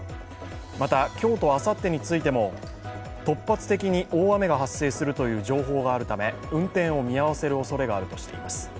また今日とあさってについても突発的に大雨が発生するという情報があるため運転を見合わせるおそれがあるとしています。